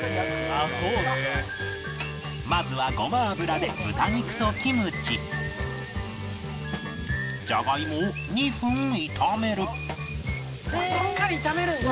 まずはごま油で豚肉とキムチジャガイモを２分炒める